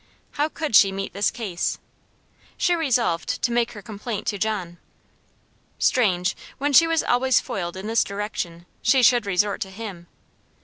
How could she meet this case? She resolved to make her complaint to John. Strange, when she was always foiled in this direction, she should resort to him.